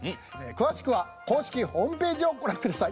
詳しくは公式ホームページをご覧ください。